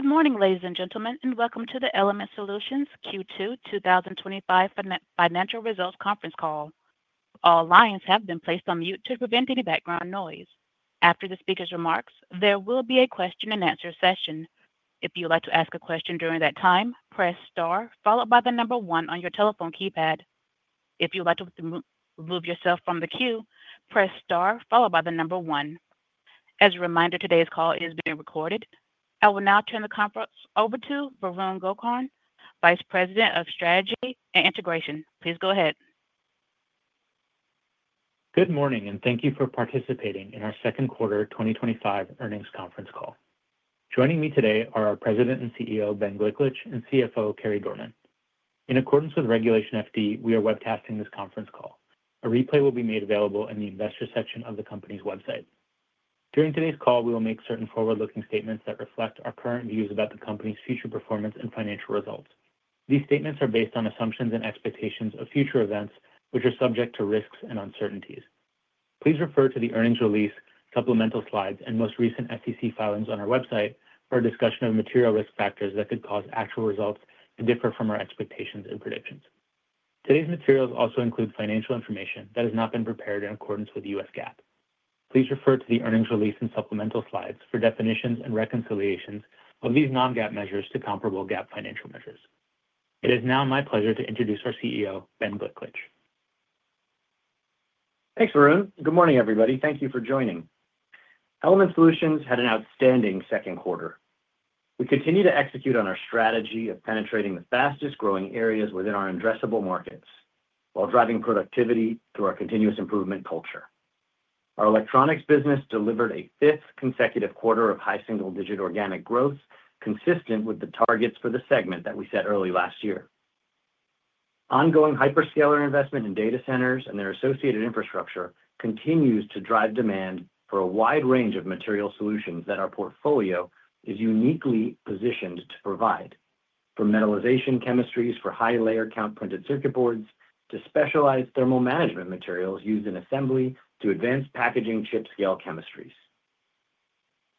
Good morning, ladies and gentlemen, and welcome to the Element Solutions Inc Q2 2025 Financial Results Conference call. All lines have been placed on mute to prevent any background noise. After the speaker's remarks, there will be a question and answer session. If you would like to ask a question during that time, press star followed by the number one on your telephone keypad. If you would like to remove yourself from the queue, press star followed by the number one. As a reminder, today's call is being recorded. I will now turn the conference over to Varun Gokarn, Vice President of Strategy and Integration. Please go ahead. Good morning, and thank you for participating in our second quarter 2025 earnings conference call. Joining me today are our President and CEO, Ben Gliklich, and CFO, Carey Dorman. In accordance with Regulation FD, we are webcasting this conference call. A replay will be made available in the Investor section of the company's website. During today's call, we will make certain forward-looking statements that reflect our current views about the company's future performance and financial results. These statements are based on assumptions and expectations of future events, which are subject to risks and uncertainties. Please refer to the earnings release, supplemental slides, and most recent SEC filings on our website for a discussion of material risk factors that could cause actual results to differ from our expectations and predictions. Today's materials also include financial information that has not been prepared in accordance with U.S. GAAP. Please refer to the earnings release and supplemental slides for definitions and reconciliations of these non-GAAP measures to comparable GAAP financial measures. It is now my pleasure to introduce our CEO, Ben Gliklich. Thanks, Varun. Good morning, everybody. Thank you for joining. Element Solutions had an outstanding second quarter. We continue to execute on our strategy of penetrating the fastest growing areas within our addressable markets while driving productivity through our continuous improvement culture. Our electronics business delivered a fifth consecutive quarter of high single-digit organic growth, consistent with the targets for the segment that we set early last year. Ongoing hyperscaler investment in data centers and their associated infrastructure continues to drive demand for a wide range of material solutions that our portfolio is uniquely positioned to provide, from metallization chemistries for high-layer count printed circuit boards to specialized thermal management materials used in assembly to advanced packaging chip-scale chemistries.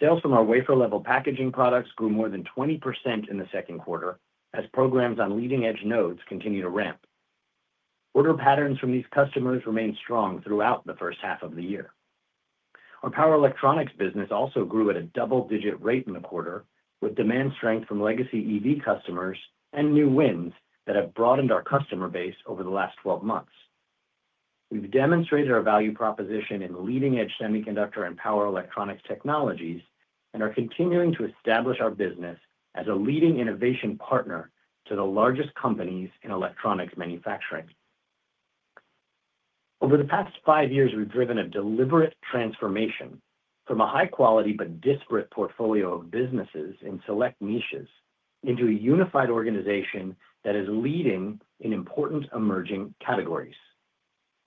Sales from our wafer-level packaging products grew more than 20% in the second quarter as programs on leading-edge nodes continue to ramp. Order patterns from these customers remain strong throughout the first half of the year. Our power electronics business also grew at a double-digit rate in the quarter, with demand strength from legacy EV customers and new wins that have broadened our customer base over the last 12 months. We've demonstrated our value proposition in leading-edge semiconductor and power electronics technologies and are continuing to establish our business as a leading innovation partner to the largest companies in electronics manufacturing. Over the past five years, we've driven a deliberate transformation from a high-quality but disparate portfolio of businesses in select niches into a unified organization that is leading in important emerging categories.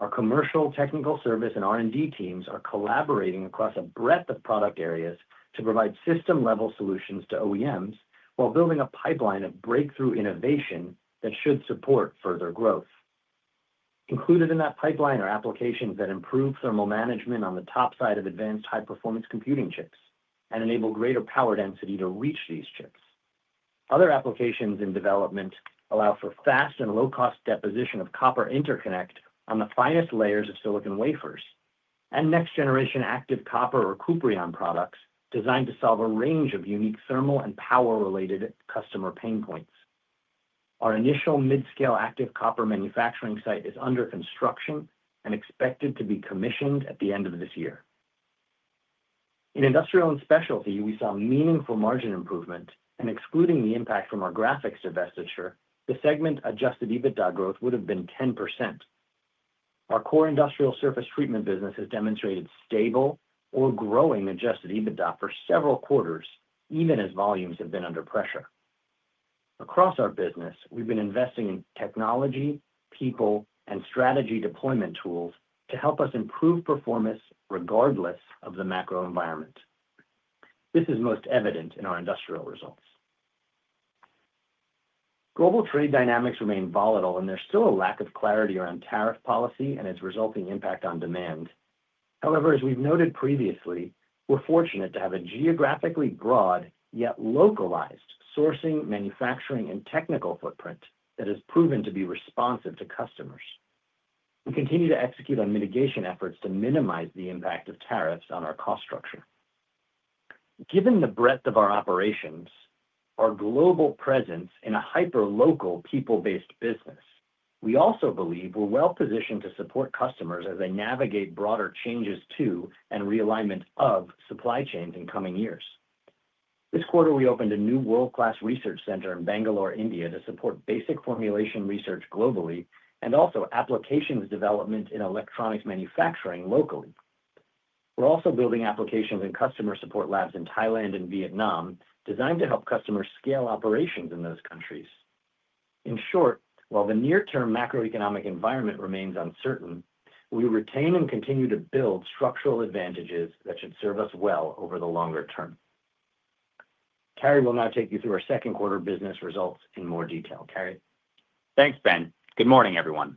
Our commercial, technical service, and R&D teams are collaborating across a breadth of product areas to provide system-level solutions to OEMs while building a pipeline of breakthrough innovation that should support further growth. Included in that pipeline are applications that improve thermal management on the top side of advanced high-performance computing chips and enable greater power density to reach these chips. Other applications in development allow for fast and low-cost deposition of copper interconnect on the finest layers of silicon wafers and next-generation active copper or Cuprion products designed to solve a range of unique thermal and power-related customer pain points. Our initial mid-scale active copper manufacturing site is under construction and expected to be commissioned at the end of this year. In industrial and specialty, we saw meaningful margin improvement, and excluding the impact from our graphics divestiture, the segment adjusted EBITDA growth would have been 10%. Our core industrial surface treatment business has demonstrated stable or growing adjusted EBITDA for several quarters, even as volumes have been under pressure. Across our business, we've been investing in technology, people, and strategy deployment tools to help us improve performance regardless of the macro environment. This is most evident in our industrial results. Global trade dynamics remain volatile, and there's still a lack of clarity around tariff policy and its resulting impact on demand. However, as we've noted previously, we're fortunate to have a geographically broad yet localized sourcing, manufacturing, and technical footprint that has proven to be responsive to customers. We continue to execute on mitigation efforts to minimize the impact of tariffs on our cost structure. Given the breadth of our operations, our global presence in a hyper-local, people-based business, we also believe we're well-positioned to support customers as they navigate broader changes to and realignment of supply chains in coming years. This quarter, we opened a new world-class research center in Bangalore, India, to support basic formulation research globally and also applications development in electronics manufacturing locally. We're also building applications and customer support labs in Thailand and Vietnam designed to help customers scale operations in those countries. In short, while the near-term macroeconomic environment remains uncertain, we retain and continue to build structural advantages that should serve us well over the longer term. Carey will now take you through our second quarter business results in more detail. Carey. Thanks, Ben. Good morning, everyone.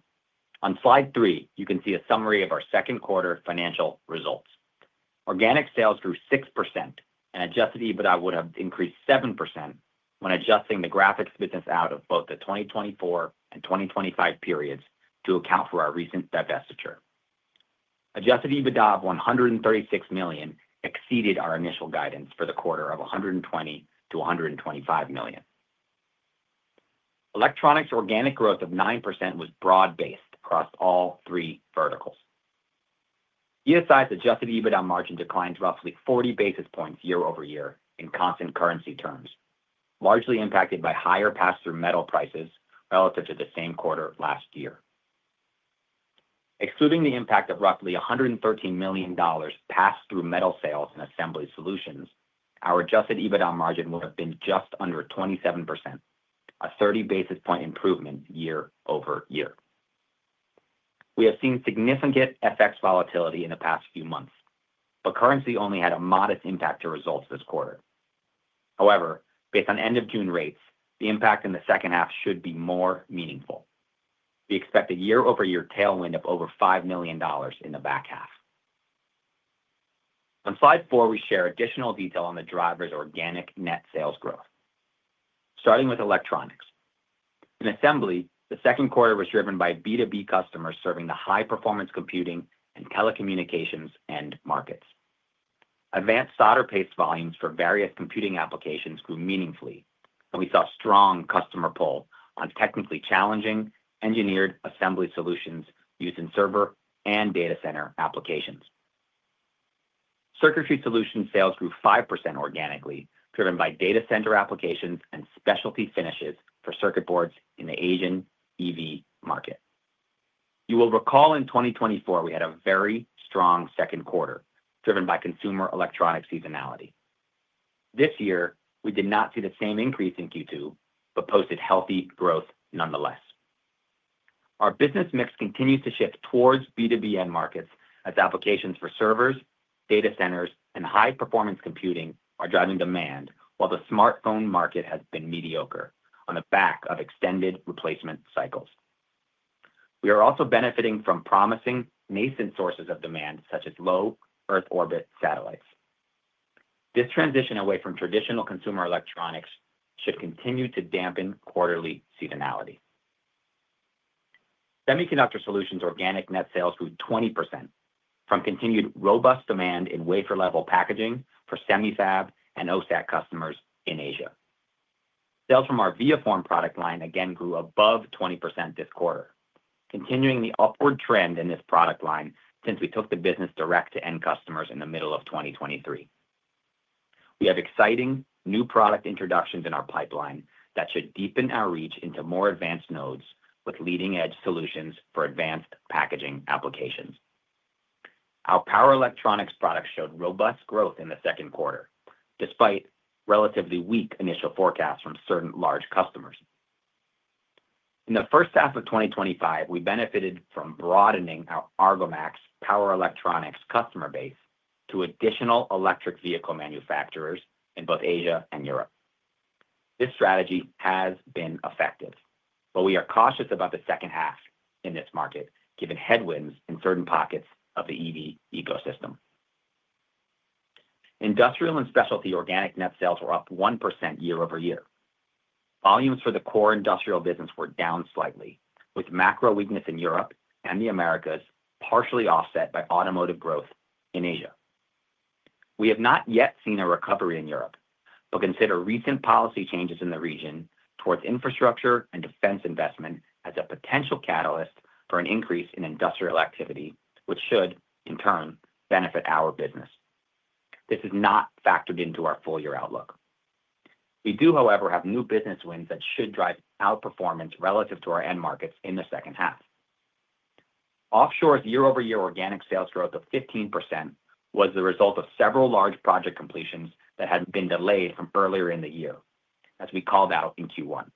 On slide three, you can see a summary of our second quarter financial results. Organic sales grew 6%, and adjusted EBITDA would have increased 7% when adjusting the graphics business out of both the 2024 and 2025 periods to account for our recent divestiture. Adjusted EBITDA of $136 million exceeded our initial guidance for the quarter of $120 to $125 million. Electronics organic growth of 9% was broad-based across all three verticals. ESI's adjusted EBITDA margin declined roughly 40 basis points year over year in constant currency terms, largely impacted by higher pass-through metal prices relative to the same quarter last year. Excluding the impact of roughly $113 million pass-through metal sales in assembly solutions, our adjusted EBITDA margin would have been just under 27%, a 30 basis point improvement year over year. We have seen significant FX volatility in the past few months, but currency only had a modest impact to results this quarter. However, based on end-of-June rates, the impact in the second half should be more meaningful. We expect a year-over-year tailwind of over $5 million in the back half. On slide four, we share additional detail on the drivers of organic net sales growth. Starting with electronics. In assembly, the second quarter was driven by B2B customers serving the high-performance computing and telecommunications end markets. Advanced solder paste volumes for various computing applications grew meaningfully, and we saw a strong customer pull on technically challenging engineered assembly solutions used in server and data center applications. Circuitry solutions sales grew 5% organically, driven by data center applications and specialty finishes for circuit boards in the Asian EV market. You will recall in 2024, we had a very strong second quarter driven by consumer electronic seasonality. This year, we did not see the same increase in Q2 but posted healthy growth nonetheless. Our business mix continues to shift towards B2B end markets as applications for servers, data centers, and high-performance computing are driving demand, while the smartphone market has been mediocre on the back of extended replacement cycles. We are also benefiting from promising nascent sources of demand, such as low Earth orbit satellites. This transition away from traditional consumer electronics should continue to dampen quarterly seasonality. Semiconductor solutions organic net sales grew 20% from continued robust demand in wafer-level packaging for semi-fab and OSAT customers in Asia. Sales from our Viaform product line again grew above 20% this quarter, continuing the upward trend in this product line since we took the business direct to end customers in the middle of 2023. We have exciting new product introductions in our pipeline that should deepen our reach into more advanced nodes with leading-edge solutions for advanced packaging applications. Our power electronics products showed robust growth in the second quarter, despite relatively weak initial forecasts from certain large customers. In the first half of 2023, we benefited from broadening our Argomax power electronics customer base to additional electric vehicle manufacturers in both Asia and Europe. This strategy has been effective, but we are cautious about the second half in this market, given headwinds in certain pockets of the EV ecosystem. Industrial and specialty organic net sales were up 1% year over year. Volumes for the core industrial business were down slightly, with macro weakness in Europe and the Americas partially offset by automotive growth in Asia. We have not yet seen a recovery in Europe, but consider recent policy changes in the region towards infrastructure and defense investment as a potential catalyst for an increase in industrial activity, which should, in turn, benefit our business. This is not factored into our full-year outlook. We do, however, have new business wins that should drive outperformance relative to our end markets in the second half. Offshore's year-over-year organic sales growth of 15% was the result of several large project completions that had been delayed from earlier in the year, as we called out in Q1.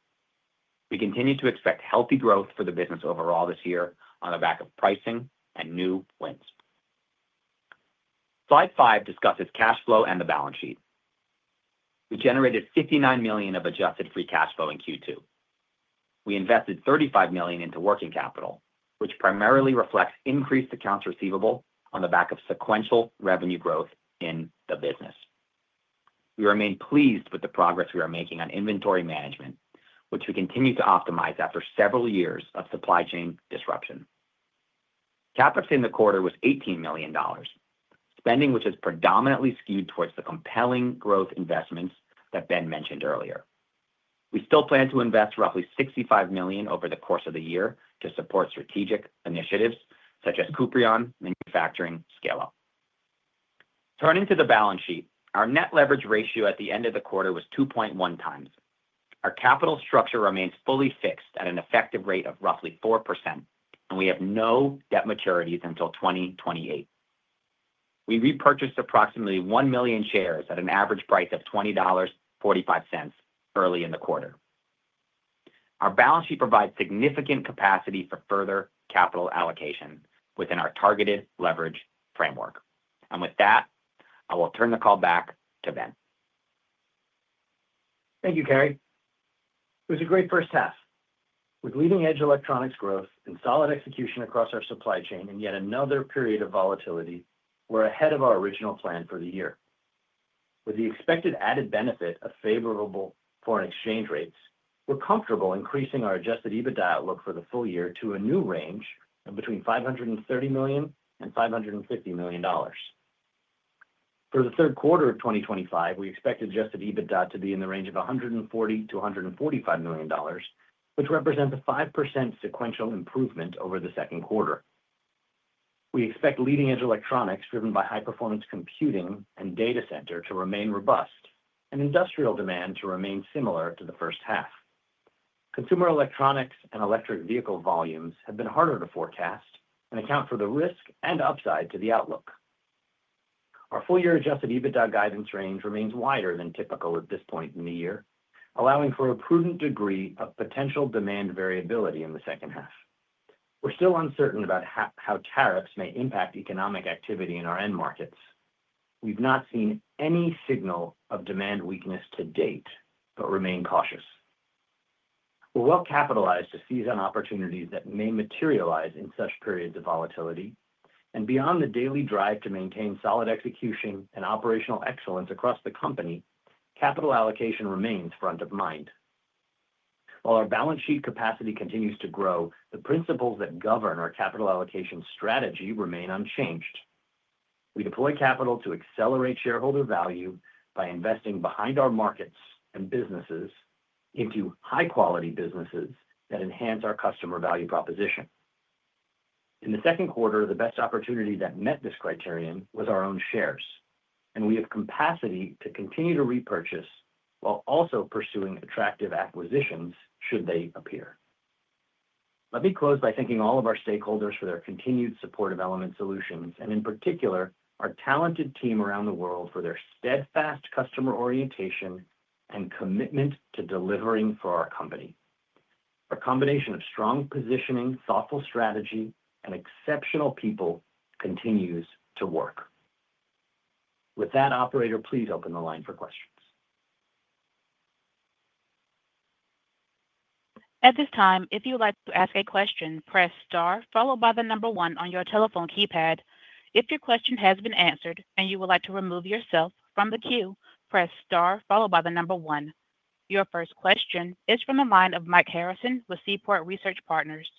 We continue to expect healthy growth for the business overall this year on the back of pricing and new wins. Slide five discusses cash flow and the balance sheet. We generated $59 million of adjusted free cash flow in Q2. We invested $35 million into working capital, which primarily reflects increased accounts receivable on the back of sequential revenue growth in the business. We remain pleased with the progress we are making on inventory management, which we continue to optimize after several years of supply chain disruption. CapEx in the quarter was $18 million, spending which is predominantly skewed towards the compelling growth investments that Ben mentioned earlier. We still plan to invest roughly $65 million over the course of the year to support strategic initiatives such as Cuprion manufacturing scale-up. Turning to the balance sheet, our net leverage ratio at the end of the quarter was 2.1 times. Our capital structure remains fully fixed at an effective rate of roughly 4%, and we have no debt maturities until 2028. We repurchased approximately 1 million shares at an average price of $20.45 early in the quarter. Our balance sheet provides significant capacity for further capital allocation within our targeted leverage framework. With that, I will turn the call back to Ben. Thank you, Carey. It was a great first half. With leading-edge electronics growth and solid execution across our supply chain in yet another period of volatility, we're ahead of our original plan for the year. With the expected added benefit of favorable foreign exchange rates, we're comfortable increasing our adjusted EBITDA outlook for the full year to a new range of between $530 million and $550 million. For the third quarter of 2025, we expect adjusted EBITDA to be in the range of $140 million to $145 million, which represents a 5% sequential improvement over the second quarter. We expect leading-edge electronics driven by high-performance computing and data center to remain robust and industrial demand to remain similar to the first half. Consumer electronics and electric vehicle volumes have been harder to forecast and account for the risk and upside to the outlook. Our full-year adjusted EBITDA guidance range remains wider than typical at this point in the year, allowing for a prudent degree of potential demand variability in the second half. We're still uncertain about how tariffs may impact economic activity in our end markets. We've not seen any signal of demand weakness to date, but remain cautious. We're well-capitalized to seize on opportunities that may materialize in such periods of volatility. Beyond the daily drive to maintain solid execution and operational excellence across the company, capital allocation remains front of mind. While our balance sheet capacity continues to grow, the principles that govern our capital allocation strategy remain unchanged. We deploy capital to accelerate shareholder value by investing behind our markets and businesses into high-quality businesses that enhance our customer value proposition. In the second quarter, the best opportunity that met this criterion was our own shares, and we have capacity to continue to repurchase while also pursuing attractive acquisitions should they appear. Let me close by thanking all of our stakeholders for their continued support of Element Solutions, and in particular, our talented team around the world for their steadfast customer orientation and commitment to delivering for our company. Our combination of strong positioning, thoughtful strategy, and exceptional people continues to work. With that, operator, please open the line for questions. At this time, if you would like to ask a question, press star followed by the number one on your telephone keypad. If your question has been answered and you would like to remove yourself from the queue, press star followed by the number one. Your first question is from the line of Mike Harrison with Seaport Research Partners.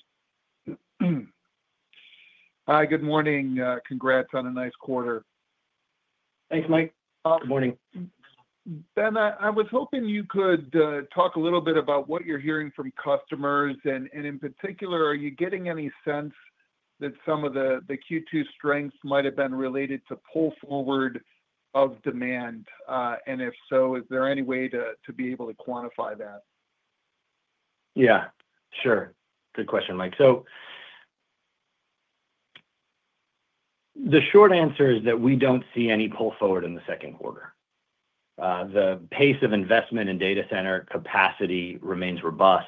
Hi, good morning. Congrats on a nice quarter. Thanks, Mike. Good morning. Ben, I was hoping you could talk a little bit about what you're hearing from customers, in particular, are you getting any sense that some of the Q2 strengths might have been related to pull forward of demand? If so, is there any way to be able to quantify that? Yeah, sure. Good question, Mike. The short answer is that we don't see any pull forward in the second quarter. The pace of investment in data center capacity remains robust.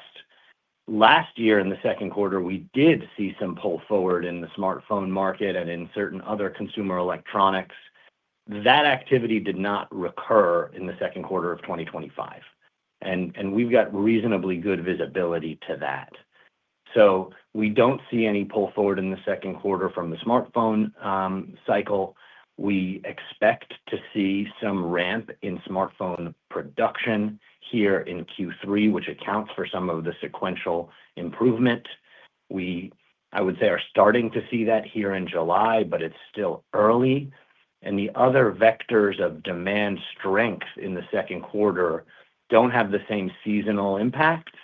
Last year in the second quarter, we did see some pull forward in the smartphone market and in certain other consumer electronics. That activity did not recur in the second quarter of 2025. We've got reasonably good visibility to that. We don't see any pull forward in the second quarter from the smartphone cycle. We expect to see some ramp in smartphone production here in Q3, which accounts for some of the sequential improvement. I would say we are starting to see that here in July, but it's still early. The other vectors of demand strength in the second quarter don't have the same seasonal impacts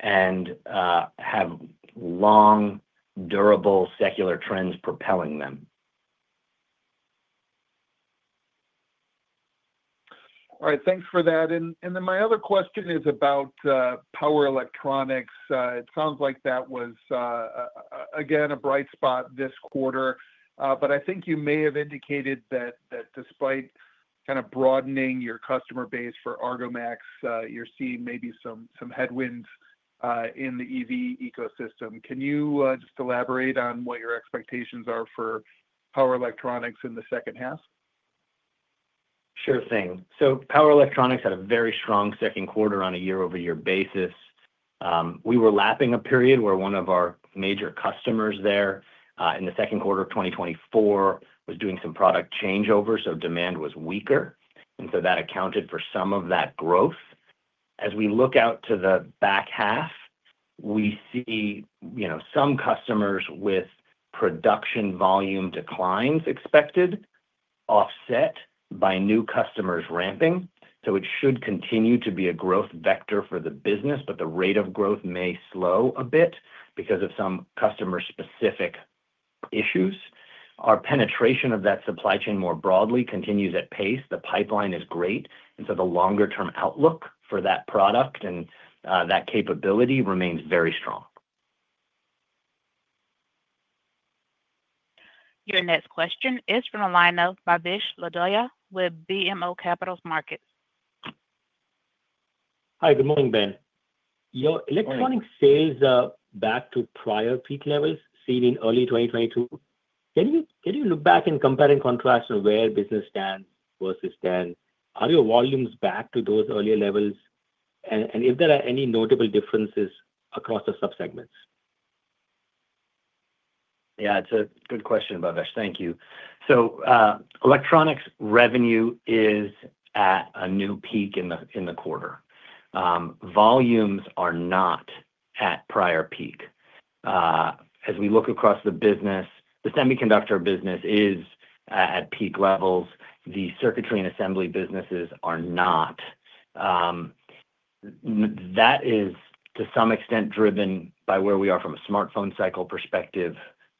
and have long, durable secular trends propelling them. All right, thanks for that. My other question is about power electronics. It sounds like that was, again, a bright spot this quarter. I think you may have indicated that despite kind of broadening your customer base for Argomax, you're seeing maybe some headwinds in the EV ecosystem. Can you just elaborate on what your expectations are for power electronics in the second half? Sure thing. Power electronics had a very strong second quarter on a year-over-year basis. We were lapping a period where one of our major customers there in the second quarter of 2024 was doing some product changeover, so demand was weaker. That accounted for some of that growth. As we look out to the back half, we see some customers with production volume declines expected, offset by new customers ramping. It should continue to be a growth vector for the business, but the rate of growth may slow a bit because of some customer-specific issues. Our penetration of that supply chain more broadly continues at pace. The pipeline is great. The longer-term outlook for that product and that capability remains very strong. Your next question is from the line of Bhavesh Ladoya with BMO Capital Markets. Hi, good morning, Ben. Your electronics sales are back to prior peak levels seen in early 2022. Can you look back and compare and contrast on where business stands versus then? Are your volumes back to those earlier levels? If there are any notable differences across the subsegments? Yeah, it's a good question, Bhavesh. Thank you. Electronics revenue is at a new peak in the quarter. Volumes are not at prior peak. As we look across the business, the semiconductor business is at peak levels. The circuitry and assembly businesses are not. That is to some extent driven by where we are from a smartphone cycle perspective,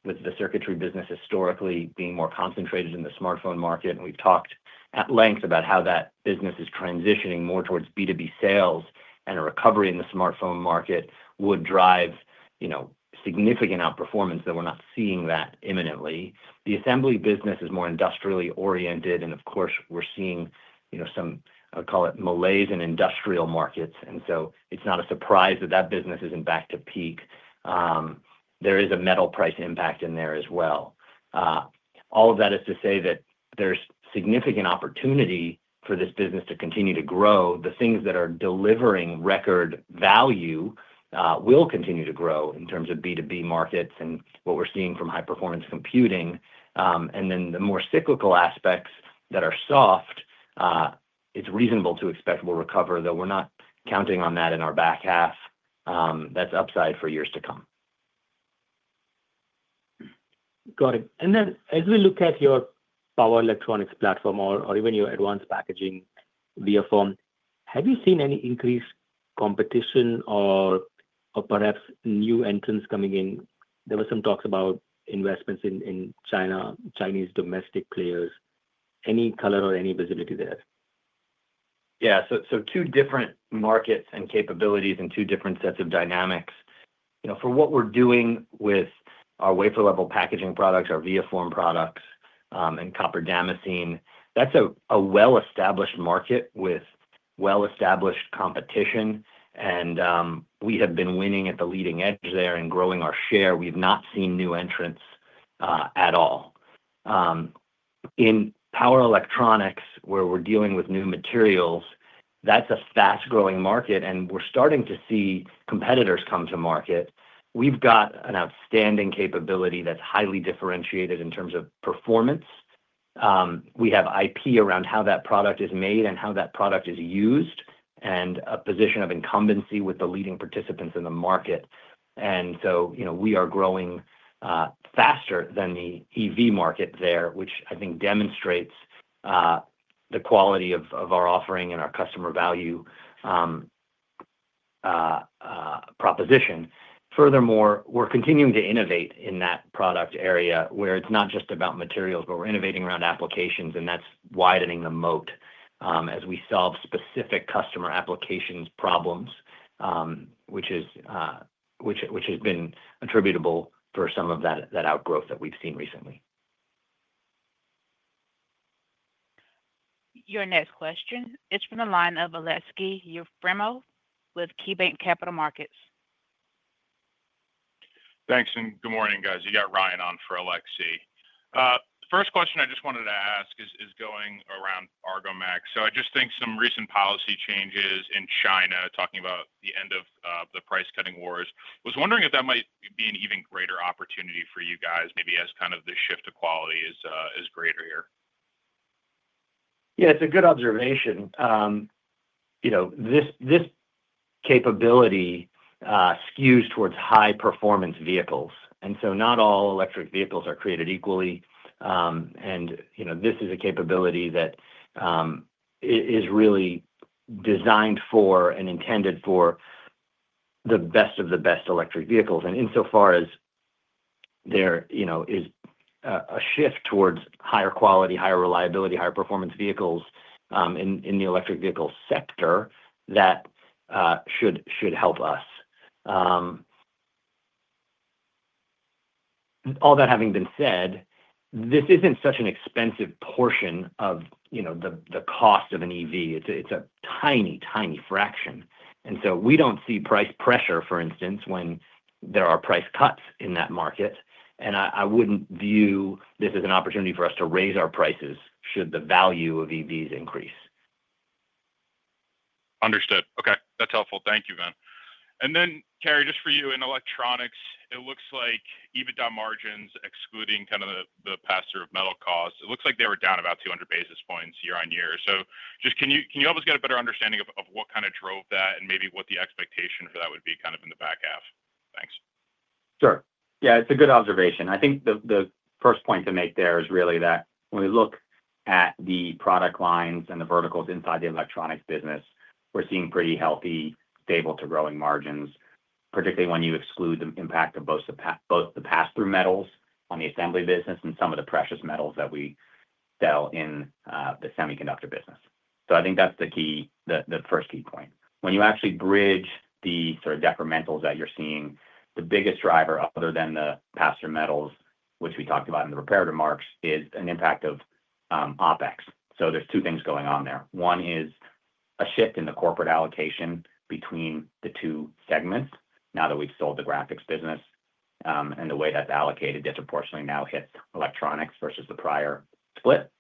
with the circuitry business historically being more concentrated in the smartphone market. We've talked at length about how that business is transitioning more towards B2B sales, and a recovery in the smartphone market would drive significant outperformance, but we're not seeing that imminently. The assembly business is more industrially oriented, and of course, we're seeing some, I call it malaise in industrial markets. It is not a surprise that that business isn't back to peak. There is a metal price impact in there as well. All of that is to say that there's significant opportunity for this business to continue to grow. The things that are delivering record value will continue to grow in terms of B2B markets and what we're seeing from high-performance computing. The more cyclical aspects that are soft, it's reasonable to expect we'll recover, though we're not counting on that in our back half. That's upside for years to come. Got it. As we look at your power electronics platform or even your advanced packaging Viaform, have you seen any increased competition or perhaps new entrants coming in? There were some talks about investments in China, Chinese domestic players. Any color or any visibility there? Yeah, so two different markets and capabilities and two different sets of dynamics. For what we're doing with our wafer-level packaging products, our Viaform products, and copper damascene, that's a well-established market with well-established competition. We have been winning at the leading edge there and growing our share. We have not seen new entrants at all. In power electronics, where we're dealing with new materials, that's a fast-growing market, and we're starting to see competitors come to market. We've got an outstanding capability that's highly differentiated in terms of performance. We have IP around how that product is made and how that product is used and a position of incumbency with the leading participants in the market. We are growing faster than the EV market there, which I think demonstrates the quality of our offering and our customer value proposition. Furthermore, we're continuing to innovate in that product area where it's not just about materials, but we're innovating around applications, and that's widening the moat as we solve specific customer applications problems, which has been attributable for some of that outgrowth that we've seen recently. Your next question is from the line of Aleksey Yefremov with KeyBanc Capital Markets. Thanks, and good morning, guys. You got Ryan on for Aleksey. First question I just wanted to ask is going around Argomax. I just think some recent policy changes in China, talking about the end of the price-cutting wars, was wondering if that might be an even greater opportunity for you guys, maybe as kind of the shift to quality is greater here. Yeah, it's a good observation. This capability skews towards high-performance vehicles. Not all electric vehicles are created equally. This is a capability that is really designed for and intended for the best of the best electric vehicles. Insofar as there is a shift towards higher quality, higher reliability, higher performance vehicles in the electric vehicle sector, that should help us. All that having been said, this isn't such an expensive portion of the cost of an EV. It's a tiny, tiny fraction. We don't see price pressure, for instance, when there are price cuts in that market. I wouldn't view this as an opportunity for us to raise our prices should the value of EVs increase. Understood. Okay, that's helpful. Thank you, Ben. Carey, just for you in electronics, it looks like EBITDA margins, excluding the pass-through of metal costs, were down about 200 basis points year on year. Can you help us get a better understanding of what drove that and maybe what the expectation for that would be in the back half? Thanks. Sure. Yeah, it's a good observation. I think the first point to make there is really that when we look at the product lines and the verticals inside the electronics business, we're seeing pretty healthy, stable to growing margins, particularly when you exclude the impact of both the pass-through metals on the assembly business and some of the precious metals that we sell in the semiconductor business. I think that's the key, the first key point. When you actually bridge the sort of detrimentals that you're seeing, the biggest driver other than the pass-through metals, which we talked about in the prepared remarks, is an impact of OpEx. There are two things going on there. One is a shift in the corporate allocation between the two segments now that we've sold the graphics business, and the way that's allocated disproportionately now hits electronics versus the prior split.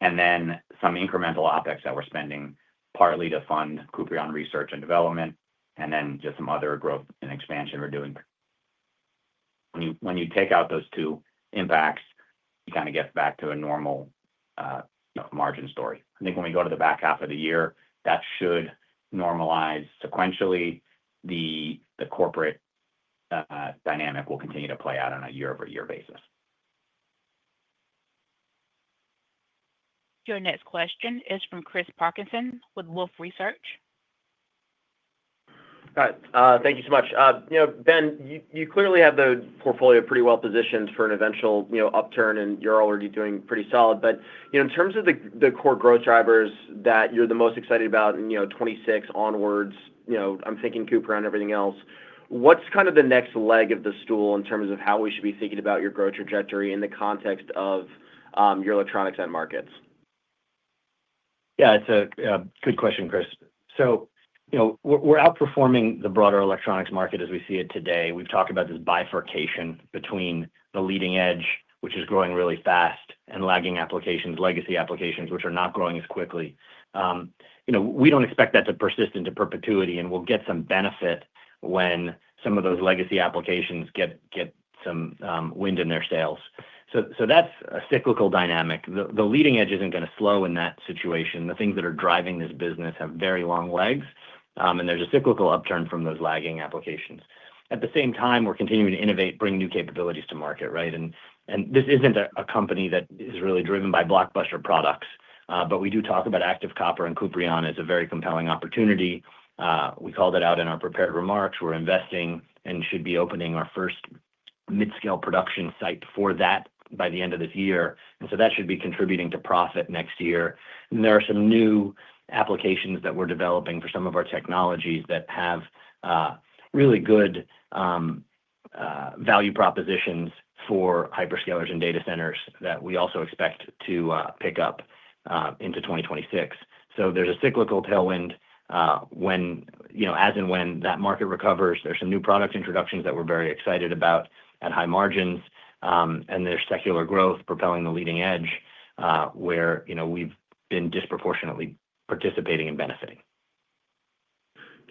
There is also some incremental OpEx that we're spending partly to fund Cuprion research and development and then just some other growth and expansion we're doing. When you take out those two impacts, you kind of get back to a normal margin story. I think when we go to the back half of the year, that should normalize sequentially. The corporate dynamic will continue to play out on a year-over-year basis. Your next question is from Chris Parkinson with Wolfe Research. Got it. Thank you so much. Ben, you clearly have the portfolio pretty well positioned for an eventual upturn, and you're already doing pretty solid. In terms of the core growth drivers that you're the most excited about, and 2026 onwards, I'm thinking Cuprion and everything else, what's kind of the next leg of the stool in terms of how we should be thinking about your growth trajectory in the context of your electronics end markets? Yeah, it's a good question, Chris. We're outperforming the broader electronics market as we see it today. We've talked about this bifurcation between the leading edge, which is growing really fast, and lagging applications, legacy applications, which are not growing as quickly. We don't expect that to persist into perpetuity, and we'll get some benefit when some of those legacy applications get some wind in their sails. That's a cyclical dynamic. The leading edge isn't going to slow in that situation. The things that are driving this business have very long legs, and there's a cyclical upturn from those lagging applications. At the same time, we're continuing to innovate, bring new capabilities to market, right? This isn't a company that is really driven by blockbuster products, but we do talk about active copper and Cuprion as a very compelling opportunity. We called it out in our prepared remarks. We're investing and should be opening our first mid-scale production site for that by the end of this year. That should be contributing to profit next year. There are some new applications that we're developing for some of our technologies that have really good value propositions for hyperscalers and data centers that we also expect to pick up into 2026. There's a cyclical tailwind when, as and when that market recovers, there's some new product introductions that we're very excited about at high margins, and there's secular growth propelling the leading edge where we've been disproportionately participating and benefiting.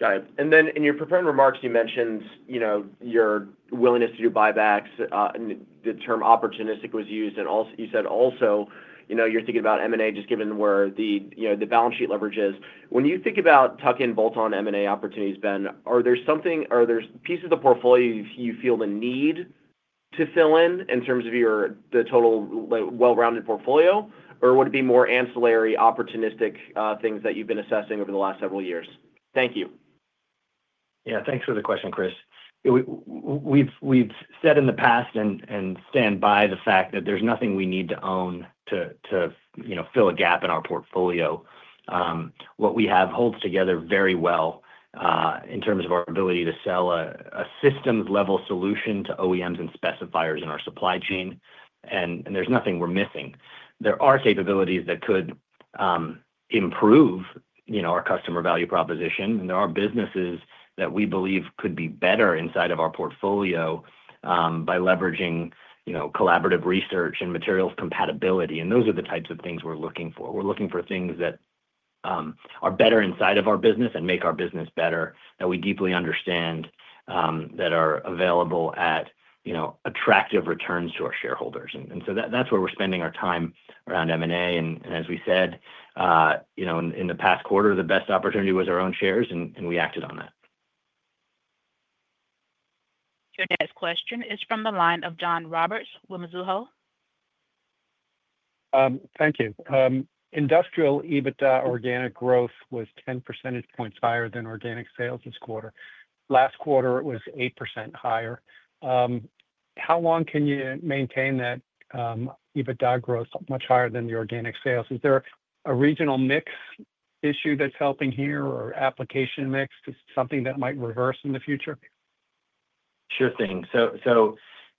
Got it. In your prepared remarks, you mentioned your willingness to do buybacks. The term opportunistic was used, and you said also you're thinking about M&A, just given where the balance sheet leverage is. When you think about tuck-in bolt-on M&A opportunities, Ben, are there pieces of the portfolio you feel the need to fill in in terms of the total well-rounded portfolio, or would it be more ancillary opportunistic things that you've been assessing over the last several years? Thank you. Yeah, thanks for the question, Chris. We've said in the past and stand by the fact that there's nothing we need to own to fill a gap in our portfolio. What we have holds together very well in terms of our ability to sell a systems-level solution to OEMs and specifiers in our supply chain, and there's nothing we're missing. There are capabilities that could improve our customer value proposition, and there are businesses that we believe could be better inside of our portfolio by leveraging collaborative research and materials compatibility. Those are the types of things we're looking for. We're looking for things that are better inside of our business and make our business better that we deeply understand that are available at attractive returns to our shareholders. That's where we're spending our time around M&A. As we said in the past quarter, the best opportunity was our own shares, and we acted on that. Your next question is from the line of John Roberts with Mizuho. Thank you. Industrial adjusted EBITDA organic growth was 10% higher than organic sales this quarter. Last quarter, it was 8% higher. How long can you maintain that EBITDA growth much higher than the organic sales? Is there a regional mix issue that's helping here or application mix? Is it something that might reverse in the future?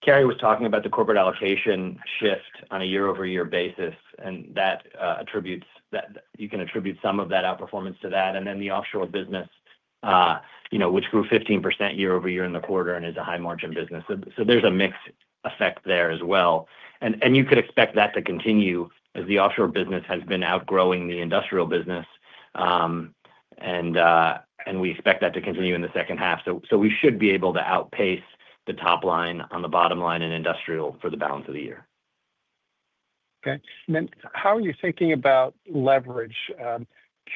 Carey was talking about the corporate allocation shift on a year-over-year basis, and you can attribute some of that outperformance to that. The offshore business, which grew 15% year over year in the quarter, is a high-margin business. There's a mixed effect there as well. You could expect that to continue as the offshore business has been outgrowing the industrial business, and we expect that to continue in the second half. We should be able to outpace the top line on the bottom line in industrial for the balance of the year. Okay. How are you thinking about leverage?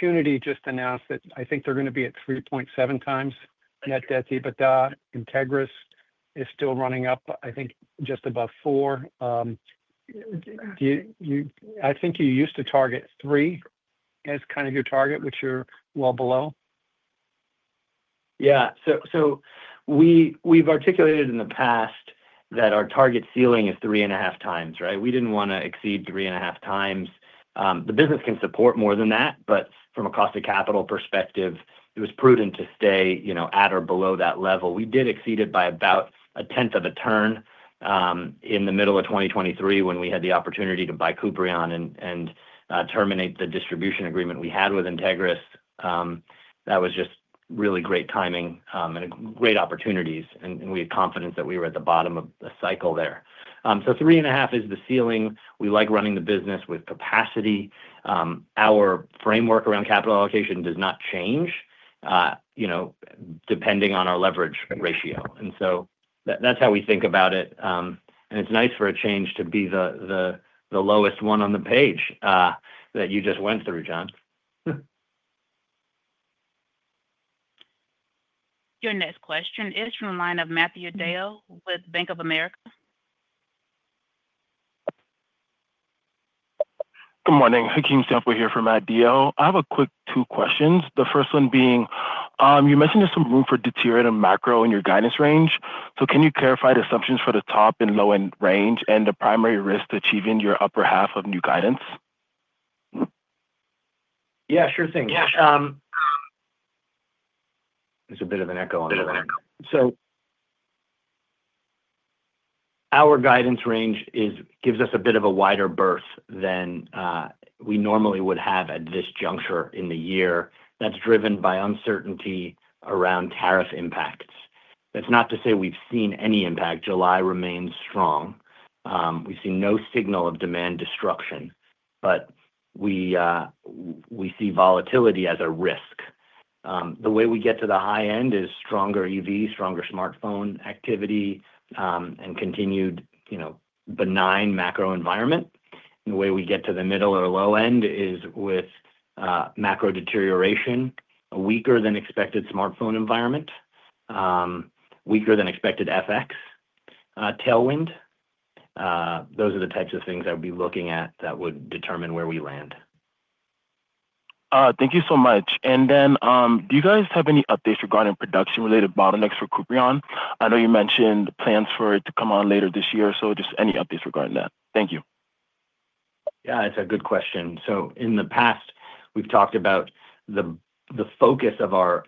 Qunity just announced that I think they're going to be at 3.7 times net debt to EBITDA. Integris is still running up, I think just above four. I think you used to target three as kind of your target, which you're well below. Yeah. We've articulated in the past that our target ceiling is three and a half times, right? We didn't want to exceed three and a half times. The business can support more than that, but from a cost of capital perspective, it was prudent to stay, you know, at or below that level. We did exceed it by about a tenth of a turn in the middle of 2023 when we had the opportunity to buy Cuprion and terminate the distribution agreement we had with Integris. That was just really great timing and great opportunities, and we had confidence that we were at the bottom of the cycle there. The three and a half is the ceiling. We like running the business with capacity. Our framework around capital allocation does not change, you know, depending on our leverage ratio. That's how we think about it. It's nice for a change to be the lowest one on the page that you just went through, John. Your next question is from the line of Matthew Deo with Bank of America. Good morning. Hakim Safwa here for Matt Deo. I have a quick two questions. The first one being, you mentioned there's some room for deteriorating macro in your guidance range. Can you clarify the assumptions for the top and low-end range and the primary risk to achieving your upper half of new guidance? Yeah, sure thing. There's a bit of an echo on the line. Our guidance range gives us a bit of a wider berth than we normally would have at this juncture in the year. That's driven by uncertainty around tariff impacts. That's not to say we've seen any impact. July remains strong. We've seen no signal of demand destruction, but we see volatility as a risk. The way we get to the high end is stronger EV, stronger smartphone activity, and continued, you know, benign macro environment. The way we get to the middle or low end is with macro deterioration, a weaker than expected smartphone environment, weaker than expected FX tailwind. Those are the types of things I would be looking at that would determine where we land. Thank you so much. Do you guys have any updates regarding production-related bottlenecks for Cuprion? I know you mentioned plans for it to come on later this year. Just any updates regarding that? Thank you. Yeah, it's a good question. In the past, we've talked about the focus of our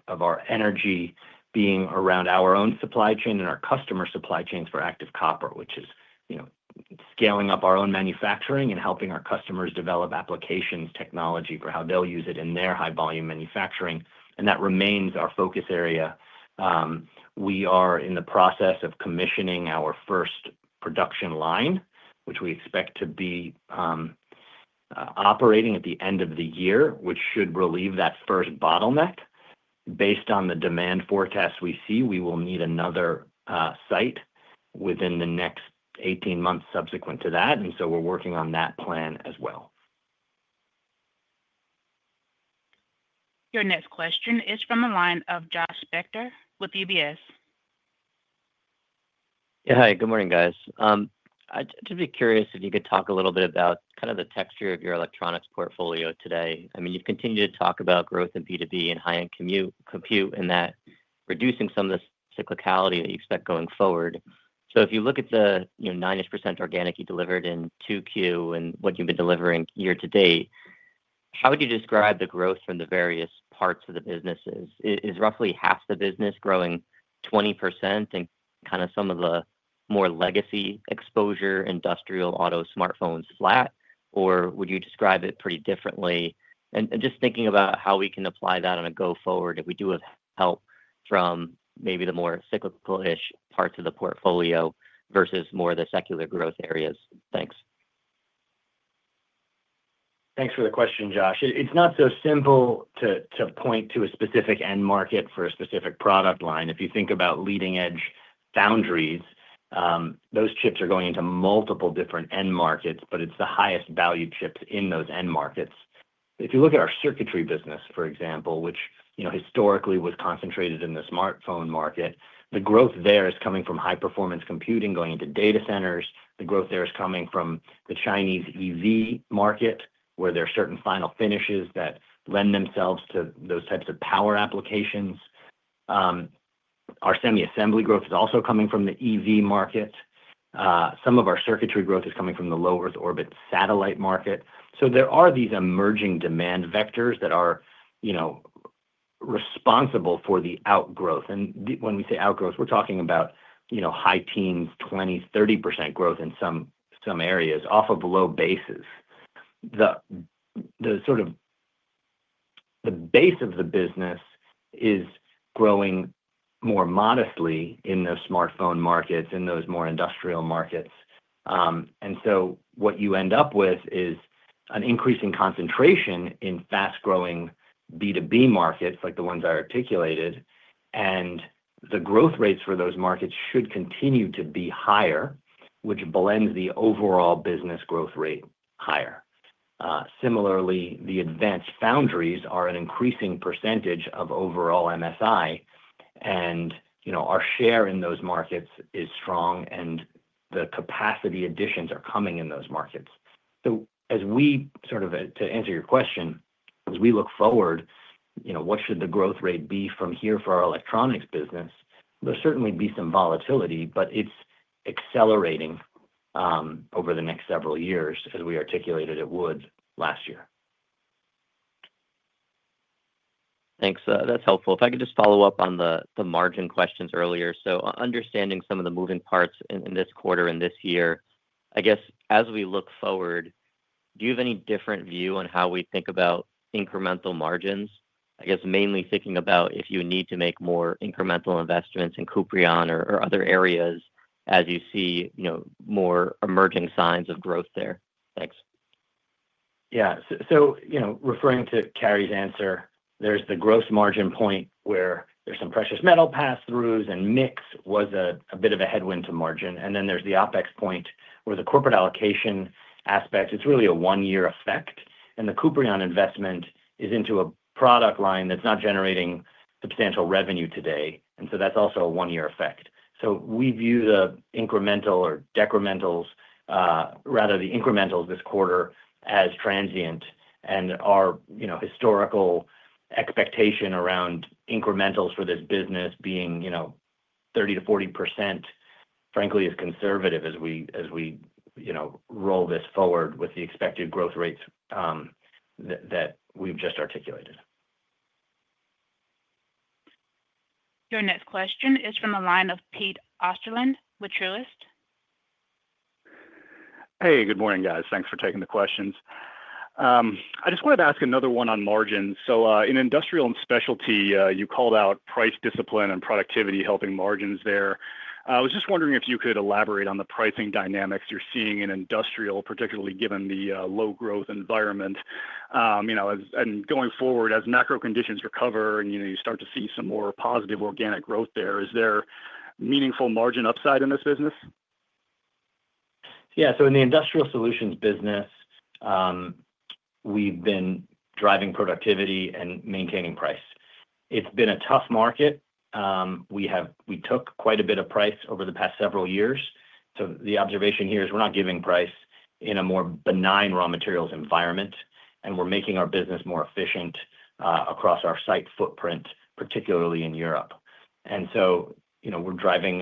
energy being around our own supply chain and our customer supply chains for active copper, which is, you know, scaling up our own manufacturing and helping our customers develop applications, technology for how they'll use it in their high-volume manufacturing. That remains our focus area. We are in the process of commissioning our first production line, which we expect to be operating at the end of the year, which should relieve that first bottleneck. Based on the demand forecasts we see, we will need another site within the next 18 months subsequent to that. We're working on that plan as well. Your next question is from the line of Josh Spector with UBS. Yeah, hi. Good morning, guys. I'd just be curious if you could talk a little bit about the texture of your electronics portfolio today. I mean, you've continued to talk about growth in B2B and high-end compute and that reducing some of the cyclicality that you expect going forward. If you look at the 90% organic you delivered in Q2 and what you've been delivering year to date, how would you describe the growth from the various parts of the businesses? Is roughly half the business growing 20% and kind of some of the more legacy exposure, industrial auto smartphones flat, or would you describe it pretty differently? Just thinking about how we can apply that on a go-forward if we do have help from maybe the more cyclical-ish parts of the portfolio versus more of the secular growth areas. Thanks? Thanks for the question, Josh. It's not so simple to point to a specific end market for a specific product line. If you think about leading edge foundries, those chips are going into multiple different end markets, but it's the highest value chips in those end markets. If you look at our circuitry business, for example, which historically was concentrated in the smartphone market, the growth there is coming from high-performance computing going into data centers. The growth there is coming from the Chinese EV market where there are certain final finishes that lend themselves to those types of power applications. Our semi-assembly growth is also coming from the EV market. Some of our circuitry growth is coming from the low Earth orbit satellite market. There are these emerging demand vectors that are responsible for the outgrowth. When we say outgrowth, we're talking about high teens, 20, 30% growth in some areas off of low bases. The base of the business is growing more modestly in those smartphone markets, in those more industrial markets. What you end up with is an increasing concentration in fast-growing B2B markets like the ones I articulated. The growth rates for those markets should continue to be higher, which blends the overall business growth rate higher. Similarly, the advanced foundries are an increasing percentage of overall MSI, and our share in those markets is strong, and the capacity additions are coming in those markets. To answer your question, as we look forward, what should the growth rate be from here for our electronics business? There'll certainly be some volatility, but it's accelerating over the next several years as we articulated it would last year. Thanks. That's helpful. If I could just follow up on the margin questions earlier. Understanding some of the moving parts in this quarter and this year, as we look forward, do you have any different view on how we think about incremental margins? Mainly thinking about if you need to make more incremental investments in Cuprion or other areas as you see more emerging signs of growth there. Thanks. Yeah. Referring to Carey's answer, there's the gross margin point where there's some precious metal pass-throughs, and mix was a bit of a headwind to margin. Then there's the OpEx point where the corporate allocation aspect, it's really a one-year effect. The Cuprion investment is into a product line that's not generating substantial revenue today, so that's also a one-year effect. We view the incrementals, or decrementals rather, this quarter as transient. Our historical expectation around incrementals for this business being 30 to 40% frankly is conservative as we roll this forward with the expected growth rates that we've just articulated. Your next question is from the line of Pete Osterlund with Truist. Hey, good morning, guys. Thanks for taking the questions. I just wanted to ask another one on margins. In industrial and specialty, you called out price discipline and productivity helping margins there. I was just wondering if you could elaborate on the pricing dynamics you're seeing in industrial, particularly given the low-growth environment. Going forward, as macro conditions recover and you start to see some more positive organic growth there, is there meaningful margin upside in this business? Yeah. In the industrial solutions business, we've been driving productivity and maintaining price. It's been a tough market. We took quite a bit of price over the past several years. The observation here is we're not giving price in a more benign raw materials environment, and we're making our business more efficient across our site footprint, particularly in Europe. We're driving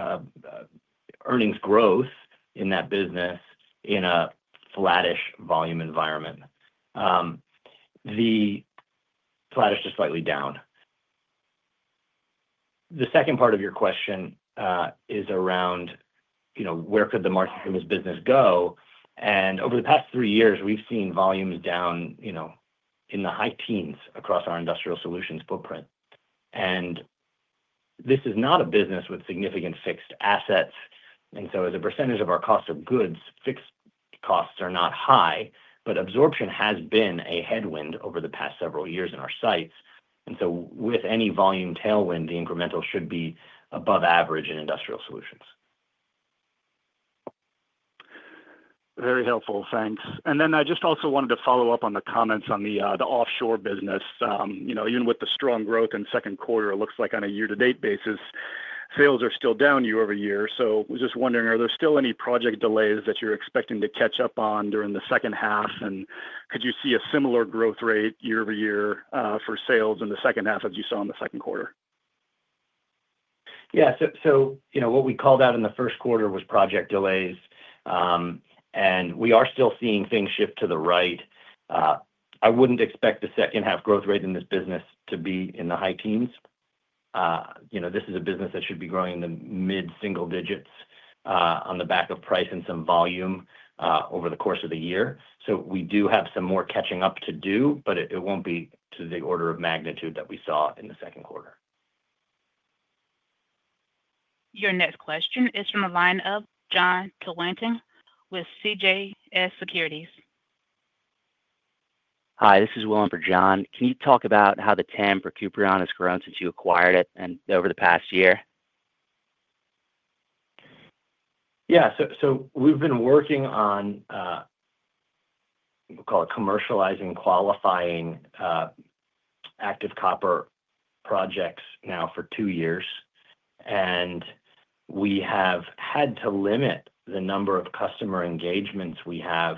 earnings growth in that business in a flattish volume environment. The flattish is just slightly down. The second part of your question is around where could the market for this business go? Over the past three years, we've seen volumes down in the high teens across our industrial solutions footprint. This is not a business with significant fixed assets. As a percentage of our cost of goods, fixed costs are not high, but absorption has been a headwind over the past several years in our sites. With any volume tailwind, the incremental should be above average in industrial solutions. Very helpful. Thanks. I just also wanted to follow up on the comments on the offshore business. Even with the strong growth in the second quarter, it looks like on a year-to-date basis, sales are still down year over year. I was just wondering, are there still any project delays that you're expecting to catch up on during the second half? Could you see a similar growth rate year over year for sales in the second half as you saw in the second quarter? Yeah. What we called out in the first quarter was project delays, and we are still seeing things shift to the right. I wouldn't expect the second half growth rate in this business to be in the high teens. This is a business that should be growing in the mid-single digits on the back of price and some volume over the course of the year. We do have some more catching up to do, but it won't be to the order of magnitude that we saw in the second quarter. Your next question is from the line of Jon Tanwanteng with CJS Securities. Hi, this is Will. For Jon, can you talk about how the TAM for Cuprion has grown since you acquired it and over the past year? Yeah. We've been working on, we'll call it, commercializing and qualifying active copper projects now for two years. We have had to limit the number of customer engagements we have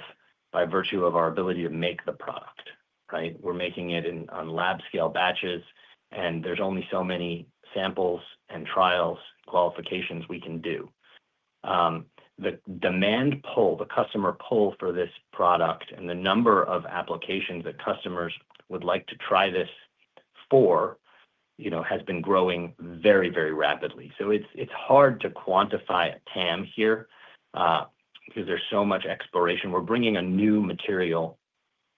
by virtue of our ability to make the product, right? We're making it on lab-scale batches, and there's only so many samples and trials qualifications we can do. The demand pull, the customer pull for this product, and the number of applications that customers would like to try this for, has been growing very, very rapidly. It's hard to quantify a TAM here because there's so much exploration. We're bringing a new material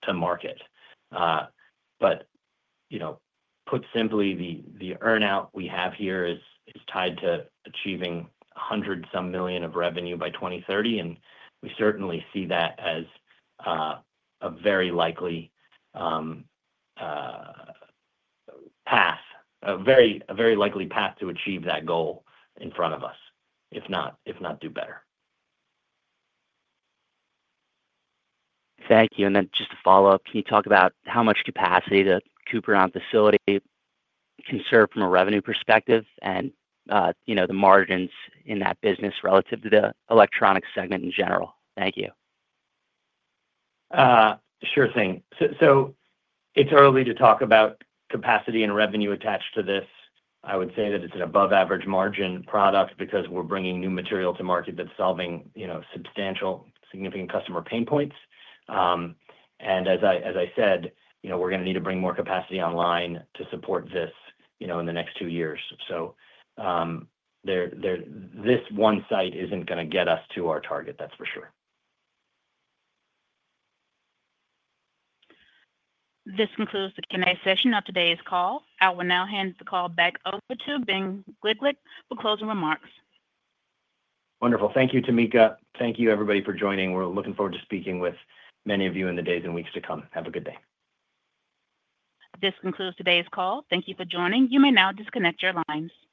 to market. Put simply, the earnout we have here is tied to achieving a $100 million-some of revenue by 2030. We certainly see that as a very likely path, a very likely path to achieve that goal in front of us, if not do better. Thank you. Just to follow up, can you talk about how much capacity the Cuprion facility can serve from a revenue perspective, and the margins in that business relative to the electronics segment in general? Thank you. Sure thing. It's early to talk about capacity and revenue attached to this. I would say that it's an above-average margin product because we're bringing new material to market that's solving substantial, significant customer pain points. As I said, we're going to need to bring more capacity online to support this in the next two years. This one site isn't going to get us to our target, that's for sure. This concludes the Q&A session of today's call. I will now hand the call back over to Ben Gliklich for closing remarks. Wonderful. Thank you, Tamika. Thank you, everybody, for joining. We're looking forward to speaking with many of you in the days and weeks to come. Have a good day. This concludes today's call. Thank you for joining. You may now disconnect your lines.